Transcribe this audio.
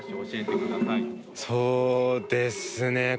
そうですね